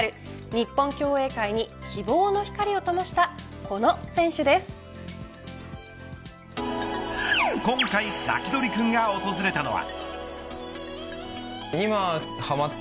日本競泳界に希望の光を灯した今回サキドリくんが訪れたのは。